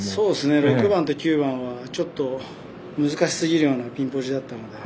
６番と９番は、ちょっと難しすぎるようなピンポジだったので。